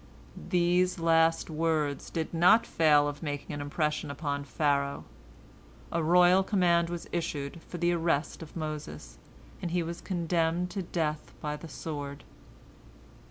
These last words did not fail of making an impression upon Pharaoh. A royal command was issued for the arrest of Moses, and he was condemned to death by the sword.